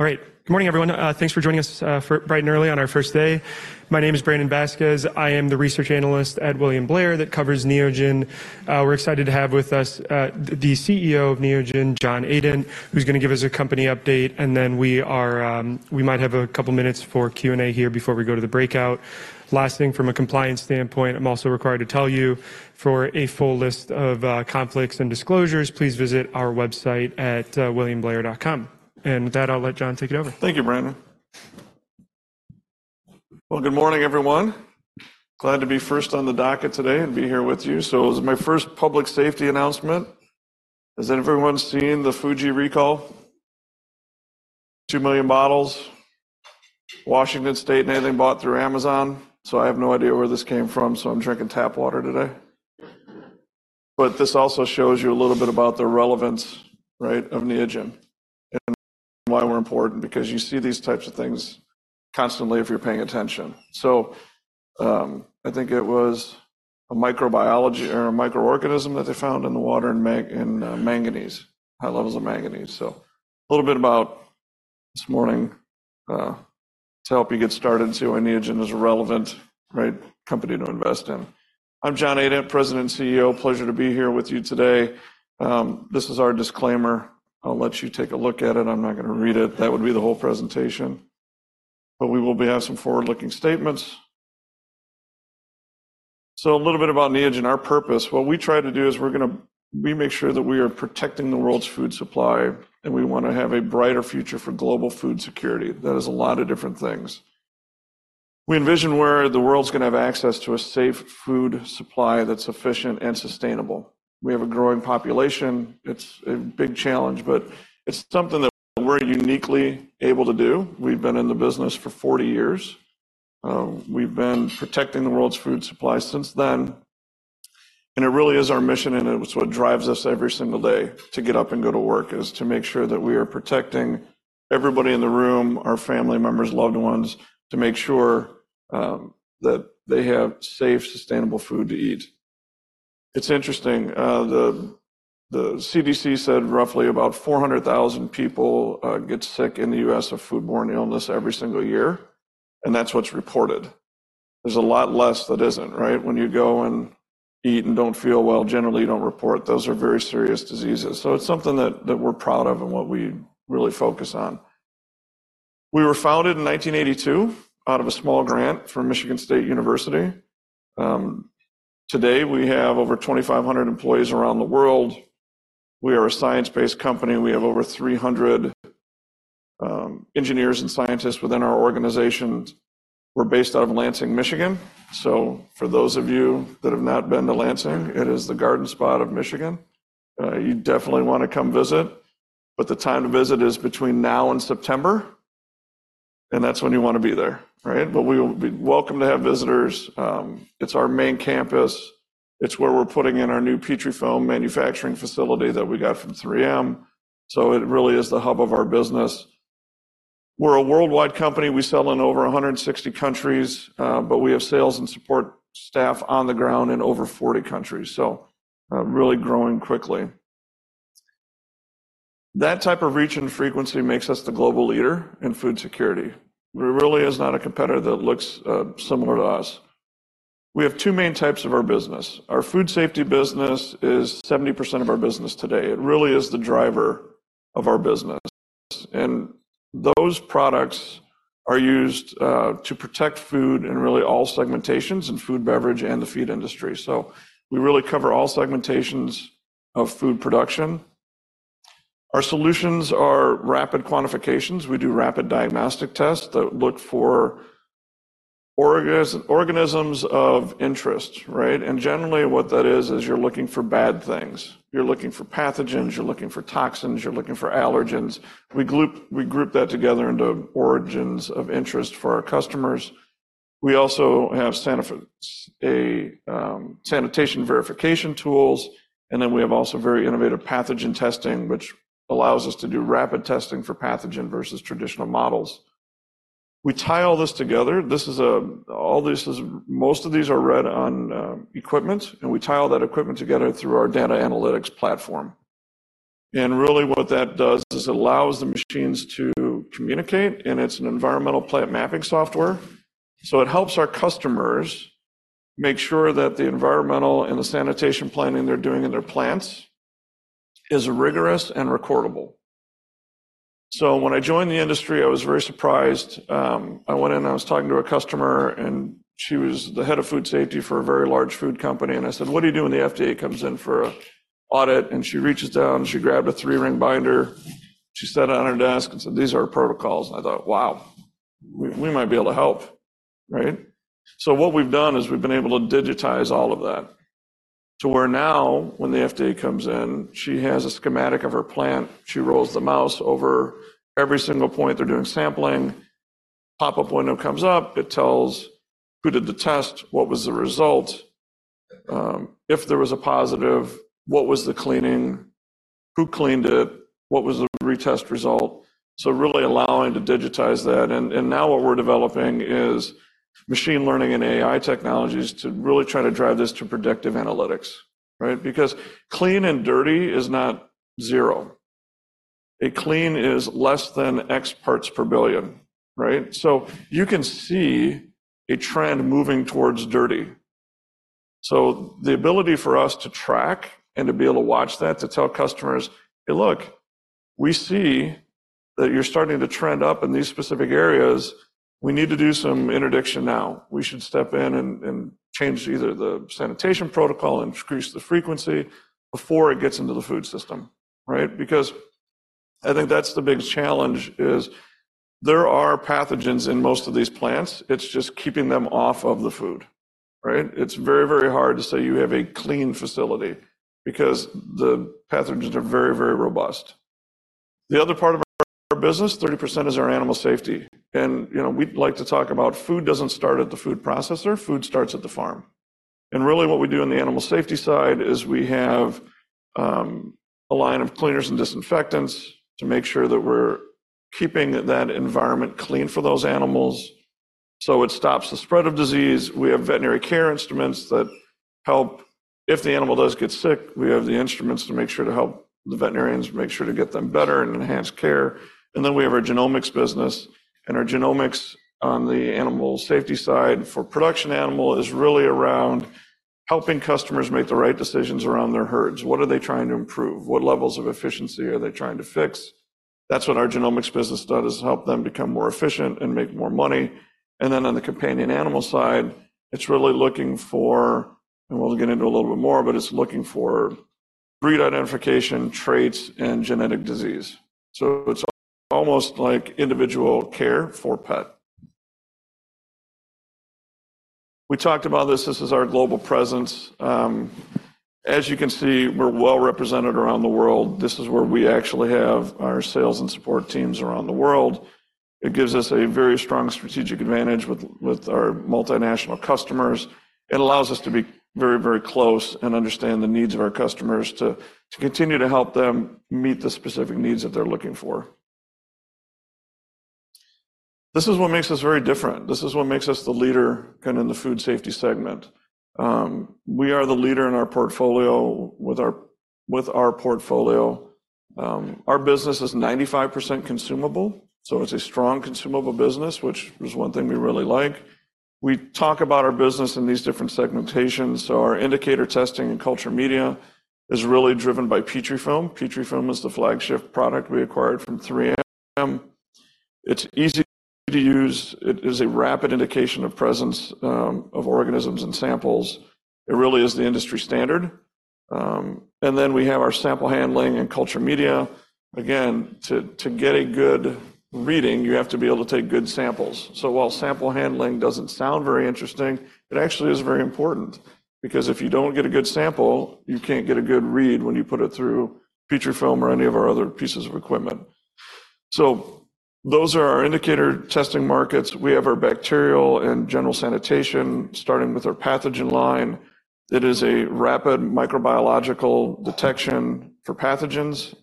All right. Good morning, everyone. Thanks for joining us bright and early on our first day. My name is Brandon Vazquez. I am the research analyst at William Blair that covers Neogen. We're excited to have with us the CEO of Neogen, John Adent, who's gonna give us a company update, and then we might have a couple minutes for Q&A here before we go to the breakout. Last thing, from a compliance standpoint, I'm also required to tell you, for a full list of conflicts and disclosures, please visit our website at williamblair.com. And with that, I'll let John take it over. Thank you, Brandon. Well, good morning, everyone. Glad to be first on the docket today and be here with you. So this is my first public safety announcement. Has everyone seen the Fiji recall? 2 million bottles, Washington State, and anything bought through Amazon. So I have no idea where this came from, so I'm drinking tap water today. But this also shows you a little bit about the relevance, right, of Neogen and why we're important, because you see these types of things constantly if you're paying attention. So, I think it was a microbiology or a microorganism that they found in the water and manganese, high levels of manganese. So a little bit about this morning, to help you get started and see why Neogen is a relevant, right, company to invest in. I'm John Adent, President and CEO. Pleasure to be here with you today. This is our disclaimer. I'll let you take a look at it. I'm not gonna read it. That would be the whole presentation, but we will be asking for forward-looking statements. So a little bit about Neogen, our purpose. What we try to do is we make sure that we are protecting the world's food supply, and we want to have a brighter future for global food security. That is a lot of different things. We envision where the world's gonna have access to a safe food supply that's efficient and sustainable. We have a growing population. It's a big challenge, but it's something that we're uniquely able to do. We've been in the business for 40 years. We've been protecting the world's food supply since then, and it really is our mission, and it's what drives us every single day to get up and go to work, is to make sure that we are protecting everybody in the room, our family members, loved ones, to make sure that they have safe, sustainable food to eat. It's interesting, the CDC said roughly about 400,000 people get sick in the U.S. of foodborne illness every single year, and that's what's reported. There's a lot less that isn't, right? When you go and eat and don't feel well, generally, you don't report. Those are very serious diseases, so it's something that we're proud of and what we really focus on. We were founded in 1982 out of a small grant from Michigan State University. Today, we have over 2,500 employees around the world. We are a science-based company. We have over 300 engineers and scientists within our organization. We're based out of Lansing, Michigan. So for those of you that have not been to Lansing, it is the garden spot of Michigan. You definitely want to come visit, but the time to visit is between now and September, and that's when you want to be there, right? But we will be welcome to have visitors. It's our main campus. It's where we're putting in our new Petrifilm manufacturing facility that we got from 3M. So it really is the hub of our business. We're a worldwide company. We sell in over 160 countries, but we have sales and support staff on the ground in over 40 countries, so really growing quickly. That type of reach and frequency makes us the global leader in food security. There really is not a competitor that looks similar to us. We have two main types of our business. Our food safety business is 70% of our business today. It really is the driver of our business, and those products are used to protect food in really all segmentations, in food, beverage, and the feed industry. So we really cover all segmentations of food production. Our solutions are rapid quantifications. We do rapid diagnostic tests that look for organisms of interest, right? And generally, what that is, is you're looking for bad things. You're looking for pathogens, you're looking for toxins, you're looking for allergens. We group, we group that together into organisms of interest for our customers. We also have sanitation verification tools, and then we have also very innovative pathogen testing, which allows us to do rapid testing for pathogen versus traditional models. We tie all this together. Most of these are read on equipment, and we tie all that equipment together through our data analytics platform. And really, what that does is it allows the machines to communicate, and it's an environmental plant mapping software. So it helps our customers make sure that the environmental and the sanitation planning they're doing in their plants is rigorous and recordable. So when I joined the industry, I was very surprised. I went in, and I was talking to a customer, and she was the head of food safety for a very large food company. And I said: "What do you do when the FDA comes in for an audit?" And she reaches down, she grabbed a three-ring binder, she set it on her desk and said, "These are our protocols." And I thought, "Wow, we might be able to help." Right? So what we've done is we've been able to digitize all of that to where now, when the FDA comes in, she has a schematic of her plant. She rolls the mouse over every single point they're doing sampling. Pop-up window comes up, it tells who did the test, what was the result, if there was a positive, what was the cleaning, who cleaned it, what was the retest result? So really allowing to digitize that. And now what we're developing is machine learning and AI technologies to really try to drive this to predictive analytics, right? Because clean and dirty is not zero. A clean is less than X parts per billion, right? So you can see a trend moving towards dirty. So the ability for us to track and to be able to watch that, to tell customers, "Hey, look, we see that you're starting to trend up in these specific areas. We need to do some interdiction now. We should step in and change either the sanitation protocol, increase the frequency before it gets into the food system." Right? Because I think that's the biggest challenge, is there are pathogens in most of these plants. It's just keeping them off of the food, right? It's very, very hard to say you have a clean facility because the pathogens are very, very robust. The other part of our business, 30% is our animal safety. You know, we like to talk about food doesn't start at the food processor, food starts at the farm. Really, what we do on the animal safety side is we have a line of cleaners and disinfectants to make sure that we're keeping that environment clean for those animals, so it stops the spread of disease. We have veterinary care instruments that help. If the animal does get sick, we have the instruments to make sure to help the veterinarians make sure to get them better and enhance care. Then we have our genomics business, and our genomics on the animal safety side for production animal is really around helping customers make the right decisions around their herds. What are they trying to improve? What levels of efficiency are they trying to fix? That's what our genomics business does, is help them become more efficient and make more money. And then on the companion animal side, it's really looking for, and we'll get into a little bit more, but it's looking for breed identification, traits, and genetic disease. So it's almost like individual care for pet. We talked about this. This is our global presence. As you can see, we're well represented around the world. This is where we actually have our sales and support teams around the world. It gives us a very strong strategic advantage with, with our multinational customers. It allows us to be very, very close and understand the needs of our customers to, to continue to help them meet the specific needs that they're looking for. This is what makes us very different. This is what makes us the leader kind of in the food safety segment. We are the leader in our portfolio with our portfolio. Our business is 95% consumable, so it's a strong consumable business, which is one thing we really like. We talk about our business in these different segmentations. Our indicator testing and culture media is really driven by Petrifilm. Petrifilm is the flagship product we acquired from 3M. It's easy to use. It is a rapid indication of presence of organisms and samples. It really is the industry standard. And then we have our sample handling and culture media. Again, to get a good reading, you have to be able to take good samples. So while sample handling doesn't sound very interesting, it actually is very important, because if you don't get a good sample, you can't get a good read when you put it through Petrifilm or any of our other pieces of equipment. So those are our indicator testing markets. We have our bacterial and general sanitation, starting with our pathogen line. It is a rapid microbiological detection for pathogens.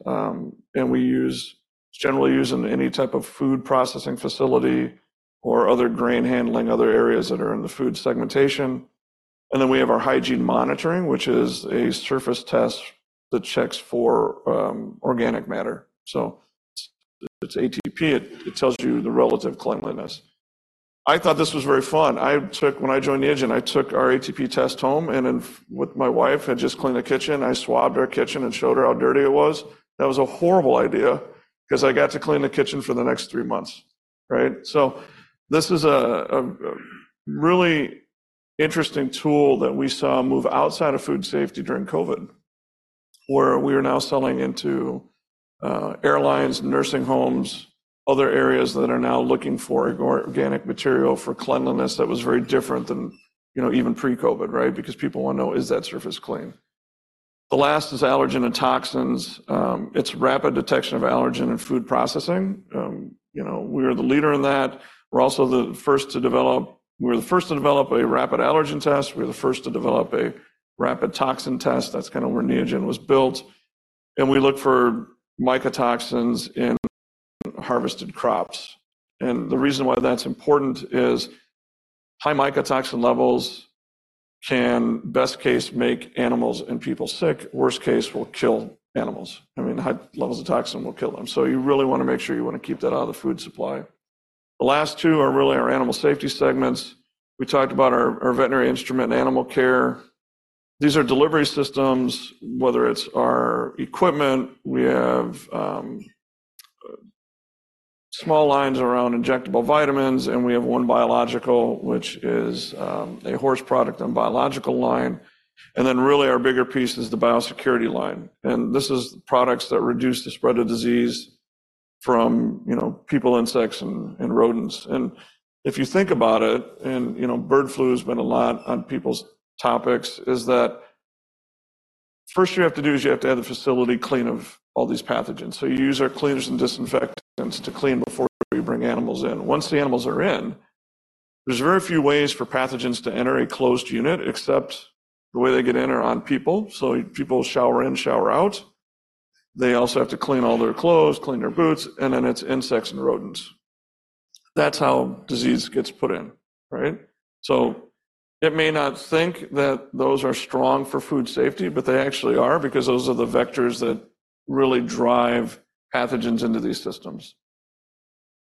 It's generally used in any type of food processing facility or other grain handling, other areas that are in the food segmentation. And then we have our hygiene monitoring, which is a surface test that checks for organic matter. So if it's ATP, it tells you the relative cleanliness. I thought this was very fun. When I joined Neogen, I took our ATP test home, and then with my wife, had just cleaned the kitchen. I swabbed our kitchen and showed her how dirty it was. That was a horrible idea because I got to clean the kitchen for the next three months, right? So this is a really interesting tool that we saw move outside of food safety during COVID, where we are now selling into airlines, nursing homes, other areas that are now looking for organic material for cleanliness. That was very different than, you know, even pre-COVID, right? Because people want to know, is that surface clean? The last is allergen and toxins. It's rapid detection of allergen and food processing. You know, we are the leader in that. We're also the first to develop a rapid allergen test. We're the first to develop a rapid toxin test. That's kind of where Neogen was built, and we look for mycotoxins in harvested crops. And the reason why that's important is high mycotoxin levels can, best case, make animals and people sick, worst case, will kill animals. I mean, high levels of toxin will kill them. So you really want to make sure you want to keep that out of the food supply. The last two are really our animal safety segments. We talked about our veterinary instrument and animal care. These are delivery systems, whether it's our equipment. We have small lines around injectable vitamins, and we have one biological, which is a horse product and biological line. And then really, our bigger piece is the biosecurity line, and this is products that reduce the spread of disease from, you know, people, insects, and rodents. If you think about it, you know, bird flu has been a lot on people's topics. Is that first you have to do is you have to have the facility clean of all these pathogens. So you use our cleaners and disinfectants to clean before you bring animals in. Once the animals are in, there's very few ways for pathogens to enter a closed unit, except the way they get in are on people. So people shower in, shower out. They also have to clean all their clothes, clean their boots, and then it's insects and rodents. That's how disease gets put in, right? So it may not think that those are strong for food safety, but they actually are, because those are the vectors that really drive pathogens into these systems.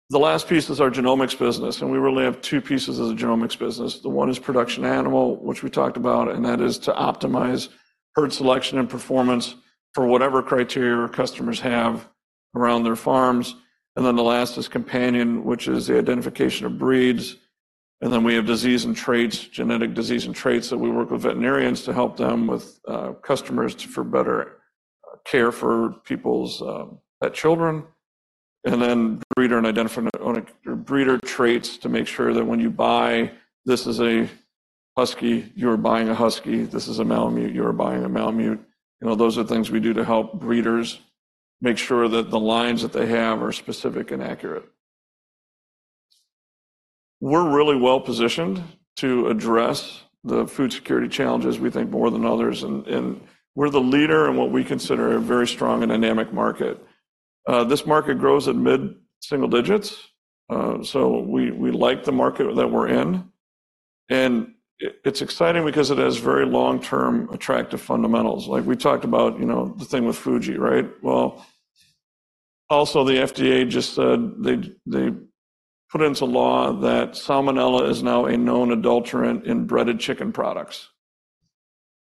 The last piece is our genomics business, and we really have two pieces of the genomics business. The one is production animal, which we talked about, and that is to optimize herd selection and performance for whatever criteria our customers have around their farms. And then the last is companion, which is the identification of breeds. And then we have disease and traits, genetic disease and traits, that we work with veterinarians to help them with customers for better care for people's pet children. And then breeder traits to make sure that when you buy, this is a Husky, you are buying a Husky. This is a Malamute, you are buying a Malamute. You know, those are things we do to help breeders make sure that the lines that they have are specific and accurate. We're really well-positioned to address the food security challenges, we think, more than others, and we're the leader in what we consider a very strong and dynamic market. This market grows at mid-single digits, so we like the market that we're in. And it, it's exciting because it has very long-term attractive fundamentals. Like we talked about, you know, the thing with Fiji, right? Well, also, the FDA just said they put into law that Salmonella is now a known adulterant in breaded chicken products,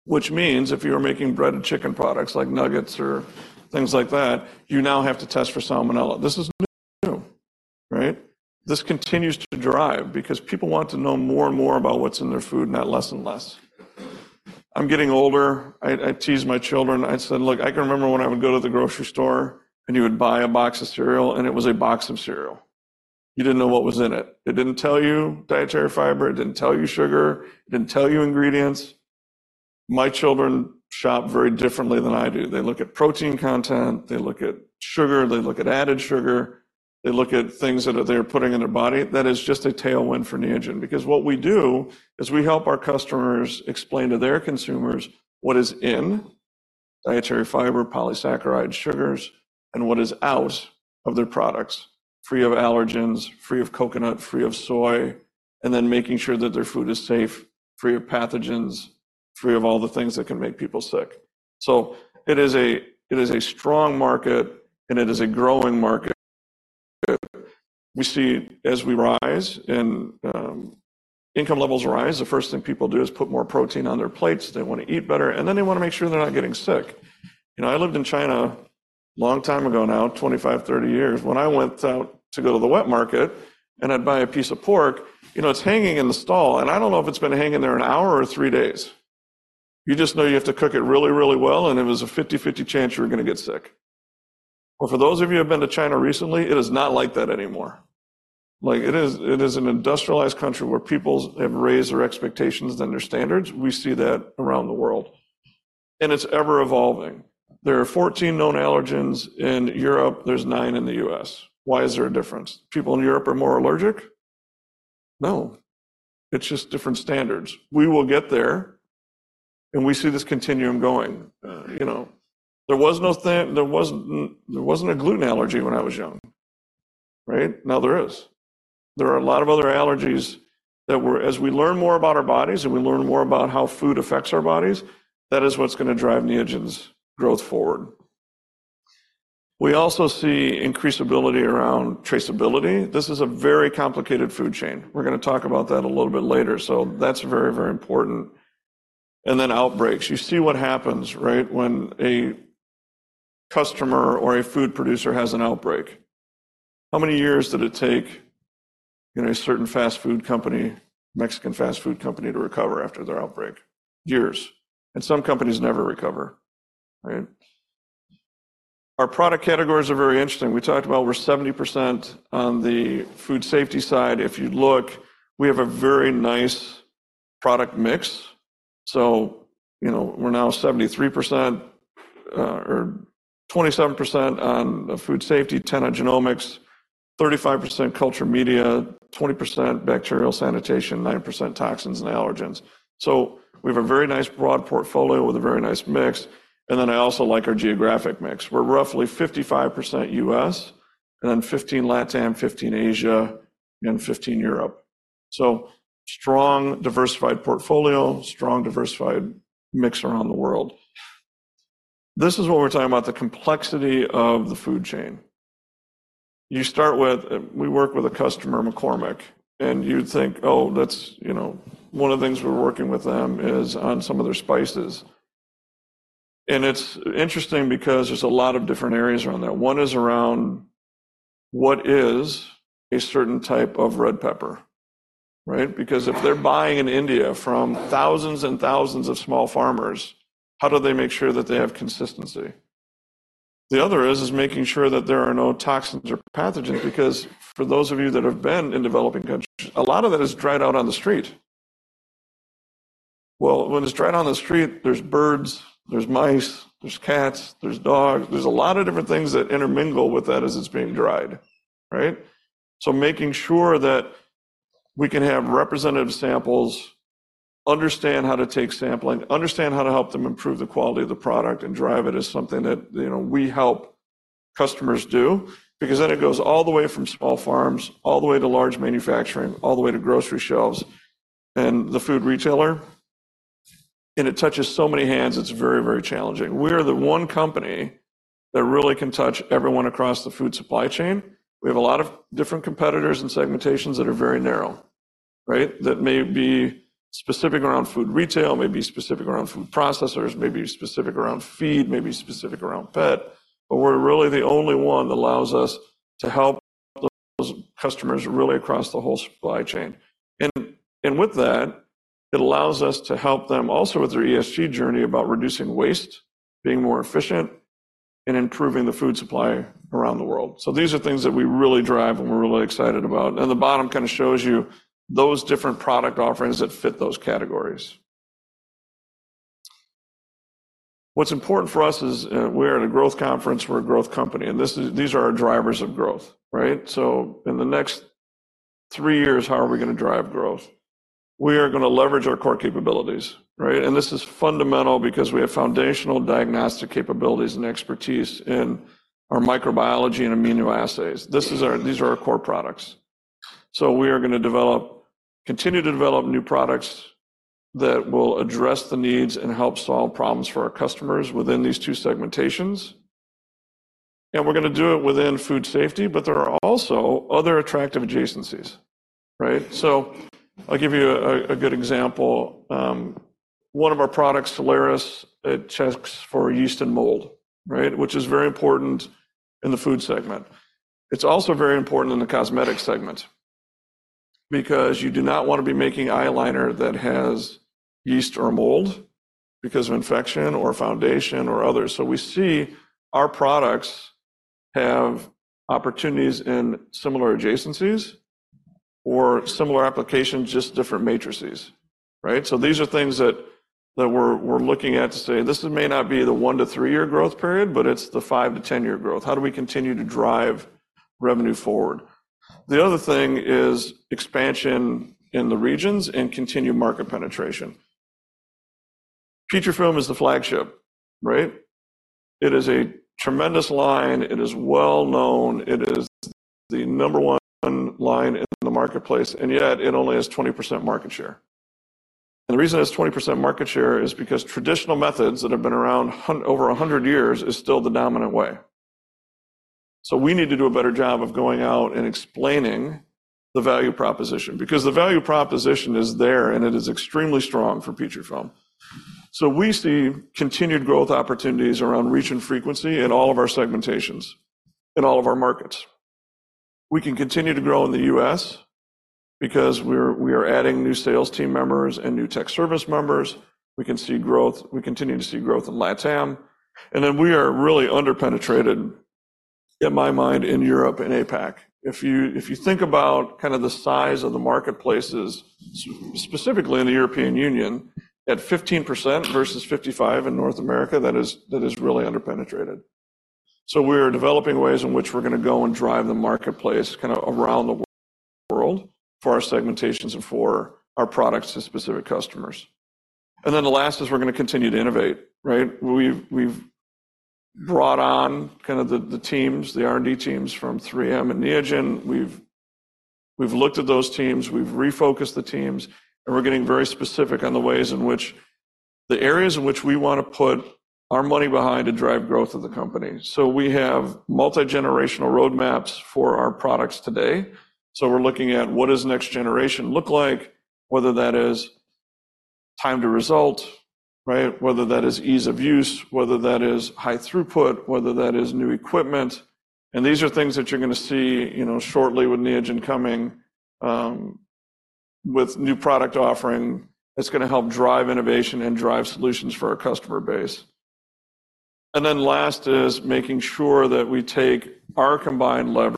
which means if you are making breaded chicken products, like nuggets or things like that, you now have to test for Salmonella. This is new, right? This continues to drive because people want to know more and more about what's in their food, not less and less. I'm getting older. I tease my children. I said, "Look, I can remember when I would go to the grocery store, and you would buy a box of cereal, and it was a box of cereal. You didn't know what was in it. It didn't tell you dietary fiber, it didn't tell you sugar, it didn't tell you ingredients." My children shop very differently than I do. They look at protein content, they look at sugar, they look at added sugar, they look at things that they're putting in their body. That is just a tailwind for Neogen. Because what we do is we help our customers explain to their consumers what is in dietary fiber, polysaccharide, sugars, and what is out of their products, free of allergens, free of coconut, free of soy, and then making sure that their food is safe, free of pathogens, free of all the things that can make people sick. So it is a, it is a strong market, and it is a growing market. We see as we rise and income levels rise, the first thing people do is put more protein on their plates. They want to eat better, and then they want to make sure they're not getting sick. You know, I lived in China a long time ago now, 25, 30 years. When I went out to go to the wet market, and I'd buy a piece of pork, you know, it's hanging in the stall, and I don't know if it's been hanging there an hour or three days. You just know you have to cook it really, really well, and it was a 50/50 chance you were gonna get sick. Well, for those of you who have been to China recently, it is not like that anymore. Like, it is, it is an industrialized country where people have raised their expectations and their standards. We see that around the world, and it's ever-evolving. There are 14 known allergens in Europe. There's 9 in the U.S. Why is there a difference? People in Europe are more allergic? No, it's just different standards. We will get there, and we see this continuum going. You know, there was no thing-- there wasn't, there wasn't a gluten allergy when I was young, right? Now, there is. There are a lot of other allergies that we're-- As we learn more about our bodies and we learn more about how food affects our bodies, that is what's gonna drive Neogen's growth forward. We also see increase ability around traceability. This is a very complicated food chain. We're gonna talk about that a little bit later, so that's very, very important. Then outbreaks. You see what happens, right, when a customer or a food producer has an outbreak. How many years did it take, you know, a certain fast food company, Mexican fast food company to recover after their outbreak? Years. And some companies never recover, right? Our product categories are very interesting. We talked about we're 70% on the food safety side. If you look, we have a very nice product mix. So, you know, we're now 73% or 27% on food safety, 10 on genomics, 35% culture media, 20% bacterial sanitation, 9% toxins and allergens. So we have a very nice broad portfolio with a very nice mix, and then I also like our geographic mix. We're roughly 55% U.S., and then 15 LatAm, 15 Asia, and 15 Europe. So strong, diversified portfolio, strong, diversified mix around the world. This is what we're talking about, the complexity of the food chain. You start with, We work with a customer, McCormick, and you'd think, "Oh, that's, you know..." One of the things we're working with them is on some of their spices. And it's interesting because there's a lot of different areas around there. One is around what is a certain type of red pepper, right? Because if they're buying in India from thousands and thousands of small farmers, how do they make sure that they have consistency? The other is, is making sure that there are no toxins or pathogens, because for those of you that have been in developing countries, a lot of that is dried out on the street. Well, when it's dried on the street, there's birds, there's mice, there's cats, there's dogs, there's a lot of different things that intermingle with that as it's being dried, right? So making sure that we can have representative samples, understand how to take sampling, understand how to help them improve the quality of the product, and drive it as something that, you know, we help customers do. Because then it goes all the way from small farms, all the way to large manufacturing, all the way to grocery shelves and the food retailer, and it touches so many hands, it's very, very challenging. We are the one company that really can touch everyone across the food supply chain. We have a lot of different competitors and segmentations that are very narrow, right? That may be specific around food retail, may be specific around food processors, may be specific around feed, may be specific around pet, but we're really the only one that allows us to help those customers really across the whole supply chain. And, and with that, it allows us to help them also with their ESG journey about reducing waste, being more efficient, and improving the food supply around the world. So these are things that we really drive and we're really excited about. And the bottom kinda shows you those different product offerings that fit those categories. What's important for us is, we're in a growth conference, we're a growth company, and this is—these are our drivers of growth, right? So in the next three years, how are we gonna drive growth? We are gonna leverage our core capabilities, right? This is fundamental because we have foundational diagnostic capabilities and expertise in our microbiology and immunoassays. These are our core products. We are gonna develop, continue to develop new products that will address the needs and help solve problems for our customers within these two segmentations. We're gonna do it within food safety, but there are also other attractive adjacencies, right? I'll give you a good example. One of our products, Soleris, it checks for yeast and mold, right? Which is very important in the food segment. It's also very important in the cosmetic segment, because you do not want to be making eyeliner that has yeast or mold because of infection or foundation or others. We see our products have opportunities in similar adjacencies or similar applications, just different matrices, right? So these are things that we're looking at to say, "This may not be the 1-3-year growth period, but it's the 5-10-year growth. How do we continue to drive revenue forward?" The other thing is expansion in the regions and continue market penetration. Petrifilm is the flagship, right? It is a tremendous line. It is well known. It is the number one line in the marketplace, and yet it only has 20% market share. And the reason it has 20% market share is because traditional methods that have been around over 100 years is still the dominant way. So we need to do a better job of going out and explaining the value proposition, because the value proposition is there, and it is extremely strong for Petrifilm. So we see continued growth opportunities around reach and frequency in all of our segmentations, in all of our markets. We can continue to grow in the U.S. because we're, we are adding new sales team members and new tech service members. We can see growth. We continue to see growth in LatAm, and then we are really under-penetrated, in my mind, in Europe and APAC. If you, if you think about kind of the size of the marketplaces, specifically in the European Union, at 15% versus 55% in North America, that is, that is really under-penetrated. So we are developing ways in which we're gonna go and drive the marketplace kind of around the world for our segmentations and for our products to specific customers. And then the last is we're gonna continue to innovate, right? We've brought on kind of the R&D teams from 3M and Neogen. We've looked at those teams, we've refocused the teams, and we're getting very specific on the ways in which the areas in which we want to put our money behind to drive growth of the company. So we have multigenerational roadmaps for our products today. So we're looking at what does next generation look like, whether that is time to result, right? Whether that is ease of use, whether that is high throughput, whether that is new equipment. And these are things that you're gonna see, you know, shortly with Neogen coming with new product offering, that's gonna help drive innovation and drive solutions for our customer base. Then last is making sure that we take our combined leverage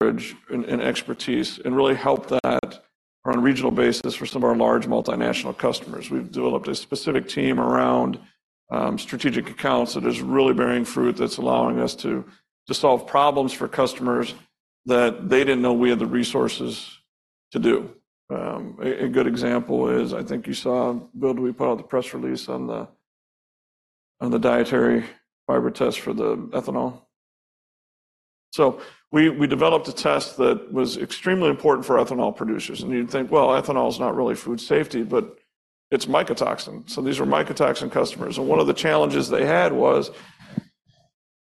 and expertise and really help that on a regional basis for some of our large multinational customers. We've developed a specific team around strategic accounts that is really bearing fruit, that's allowing us to solve problems for customers that they didn't know we had the resources to do. A good example is, I think you saw, Bill, did we put out the press release on the dietary fiber test for the ethanol? So we developed a test that was extremely important for ethanol producers, and you'd think, well, ethanol is not really food safety, but it's mycotoxin. So these were mycotoxin customers, and one of the challenges they had was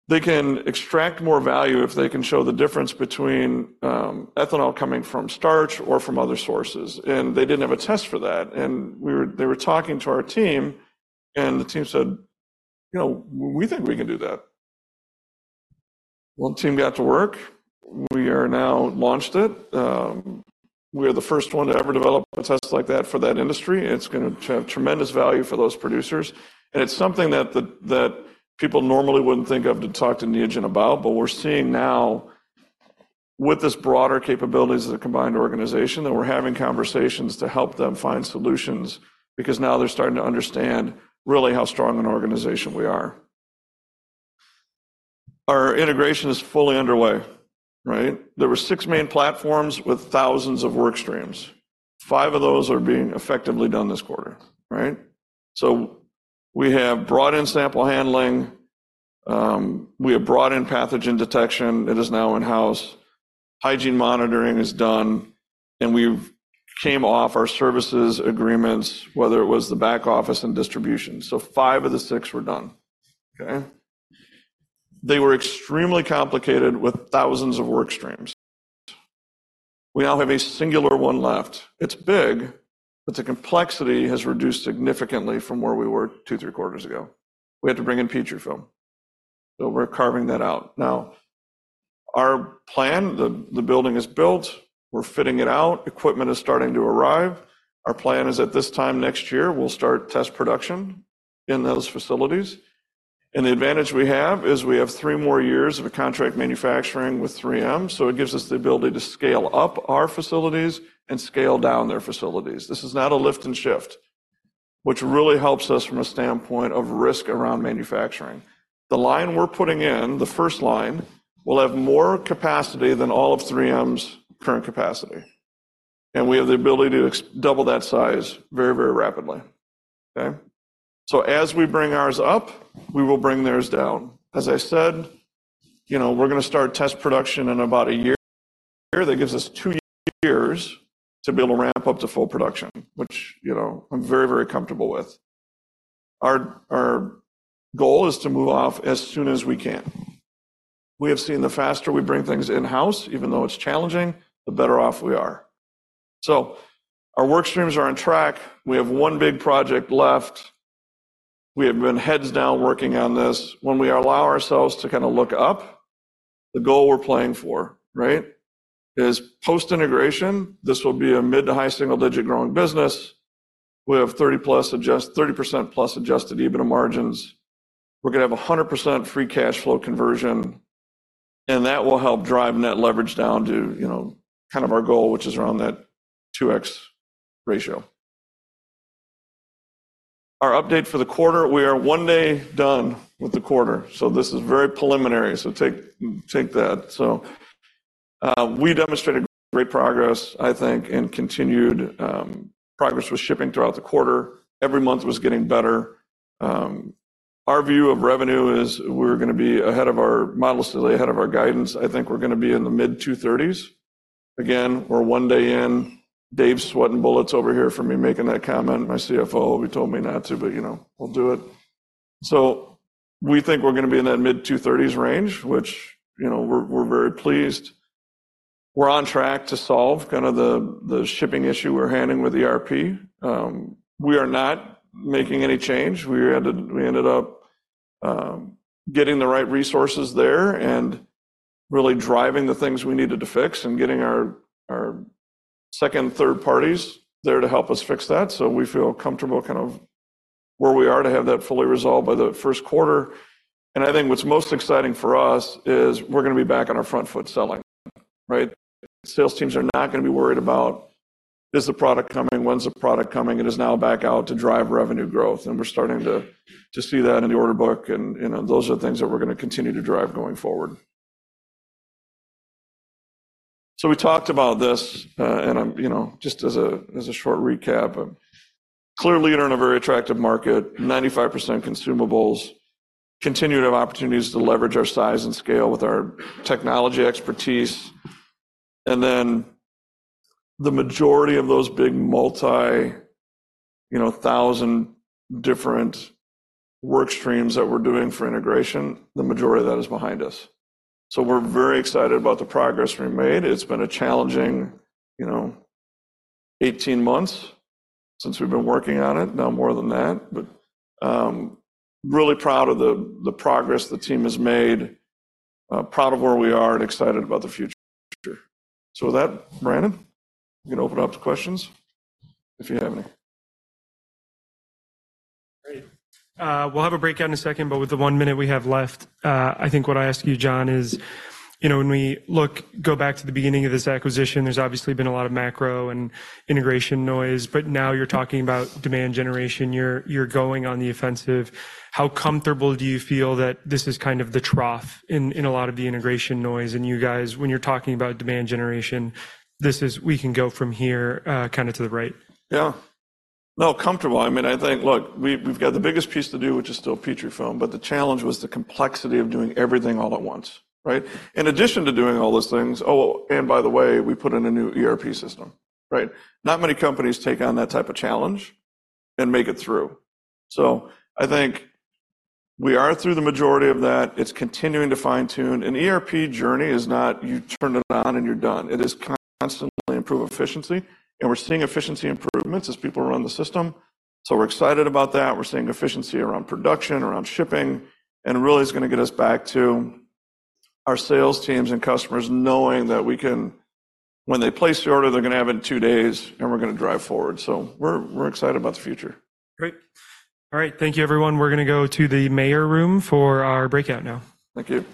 they can extract more value if they can show the difference between, ethanol coming from starch or from other sources. And they didn't have a test for that. They were talking to our team, and the team said, "You know, we think we can do that." Well, the team got to work. We are now launched it. We are the first one to ever develop a test like that for that industry, and it's gonna have tremendous value for those producers. And it's something that people normally wouldn't think of to talk to Neogen about. But we're seeing now, with this broader capabilities as a combined organization, that we're having conversations to help them find solutions, because now they're starting to understand really how strong an organization we are. Our integration is fully underway, right? There were 6 main platforms with thousands of work streams. 5 of those are being effectively done this quarter, right? So we have brought in sample handling, we have brought in pathogen detection. It is now in-house. Hygiene monitoring is done, and we've came off our services agreements, whether it was the back office and distribution. So 5 of the 6 were done. Okay? They were extremely complicated, with thousands of work streams. We now have a singular one left. It's big, but the complexity has reduced significantly from where we were 2, 3 quarters ago. We had to bring in Petrifilm, so we're carving that out. Now, our plan, the building is built. We're fitting it out. Equipment is starting to arrive. Our plan is at this time next year, we'll start test production in those facilities. The advantage we have is we have three more years of a contract manufacturing with 3M, so it gives us the ability to scale up our facilities and scale down their facilities. This is not a lift and shift, which really helps us from a standpoint of risk around manufacturing. The line we're putting in, the first line, will have more capacity than all of 3M's current capacity, and we have the ability to expand double that size very, very rapidly. Okay? So as we bring ours up, we will bring theirs down. As I said, you know, we're gonna start test production in about a year. That gives us two years to be able to ramp up to full production, which, you know, I'm very, very comfortable with. Our goal is to move off as soon as we can. We have seen the faster we bring things in-house, even though it's challenging, the better off we are. So our work streams are on track. We have one big project left. We have been heads down working on this. When we allow ourselves to kinda look up, the goal we're playing for, right, is post-integration. This will be a mid- to high single-digit growing business. We have 30%+ adjusted EBITDA margins. We're gonna have 100% free cash flow conversion, and that will help drive net leverage down to, you know, kind of our goal, which is around that 2x ratio. Our update for the quarter, we are 1 day done with the quarter, so this is very preliminary, so take that. So, we demonstrated great progress, I think, and continued progress with shipping throughout the quarter. Every month was getting better. Our view of revenue is we're gonna be ahead of our models, today ahead of our guidance. I think we're gonna be in the mid-$230s. Again, we're 1 day in. Dave's sweating bullets over here for me making that comment, my CFO. He told me not to, but, you know, I'll do it. So we think we're gonna be in that mid-$230s range, which, you know, we're, we're very pleased. We're on track to solve kind of the, the shipping issue we're having with ERP. We are not making any change. We ended up getting the right resources there and really driving the things we needed to fix and getting our, our second and third parties there to help us fix that. So we feel comfortable kind of where we are to have that fully resolved by the first quarter. And I think what's most exciting for us is we're gonna be back on our front foot selling, right? Sales teams are not gonna be worried about: Is the product coming? When's the product coming? It is now back out to drive revenue growth, and we're starting to see that in the order book. And, you know, those are the things that we're gonna continue to drive going forward. So we talked about this, and you know, just as a short recap, clearly, we're in a very attractive market, 95% consumables, continuing to have opportunities to leverage our size and scale with our technology expertise. And then the majority of those big multi, you know, 1,000 different work streams that we're doing for integration, the majority of that is behind us. So we're very excited about the progress we made. It's been a challenging, you know, 18 months since we've been working on it, now more than that. But, really proud of the progress the team has made, proud of where we are, and excited about the future. So with that, Brandon, you can open it up to questions if you have any. Great. We'll have a breakout in a second, but with the one minute we have left, I think what I ask you, John, is, you know, when we look, go back to the beginning of this acquisition, there's obviously been a lot of macro and integration noise, but now you're talking about demand generation. You're, you're going on the offensive. How comfortable do you feel that this is kind of the trough in, in a lot of the integration noise, and you guys, when you're talking about demand generation, this is we can go from here, kinda to the right? Yeah. No, comfortable. I mean, I think, look, we've, we've got the biggest piece to do, which is still Petrifilm, but the challenge was the complexity of doing everything all at once, right? In addition to doing all those things, oh, and by the way, we put in a new ERP system, right? Not many companies take on that type of challenge and make it through. So I think we are through the majority of that. It's continuing to fine-tune. An ERP journey is not you turned it on, and you're done. It is constantly improve efficiency, and we're seeing efficiency improvements as people run the system. So we're excited about that. We're seeing efficiency around production, around shipping, and really is gonna get us back to our sales teams and customers, knowing that we can... When they place the order, they're gonna have it in two days, and we're gonna drive forward. So we're excited about the future. Great. All right, thank you, everyone. We're gonna go to the Mayer room for our breakout now. Thank you.